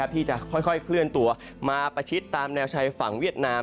ที่จะค่อยเคลื่อนตัวมาประชิดตามแนวชายฝั่งเวียดนาม